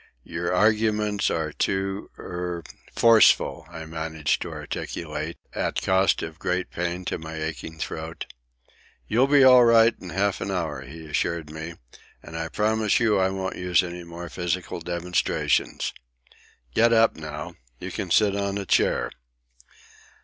"Your arguments are too—er—forcible," I managed to articulate, at cost of great pain to my aching throat. "You'll be all right in half an hour," he assured me. "And I promise I won't use any more physical demonstrations. Get up now. You can sit on a chair."